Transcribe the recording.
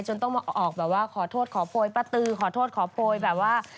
ต้องมาออกแบบว่าขอโทษขอโพยป้าตือขอโทษขอโพยแบบว่า